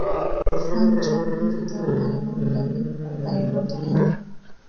Frank Jah muri video Mbalaba Bulabi By Rode N